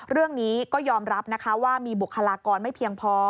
เรื่องนี้ก็ยอมรับนะคะว่ามีบุคลากรไม่เพียงพอ